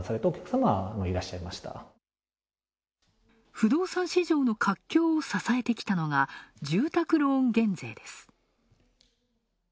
不動産市場の活況を支えてきたのが住宅ローン減税です。